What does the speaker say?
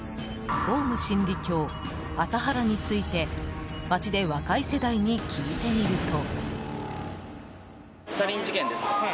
オウム真理教、麻原について街で若い世代に聞いてみると。